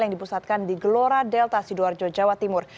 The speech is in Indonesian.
yang dipusatkan di gelora delta sidoarjo jawa timur